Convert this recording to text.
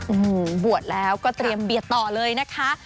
โอ้โหบวชแล้วก็เตรียมเบียดต่อเลยนะคะ